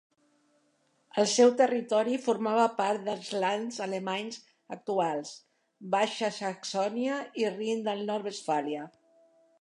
El seu territori formava part dels lands alemanys actuals Baixa Saxònia i Rin del Nord-Westfàlia.